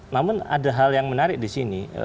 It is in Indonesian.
namun ada hal yang menarik di sini